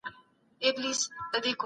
تاسي باید په ژوند کي ثابت قدمه واوسئ.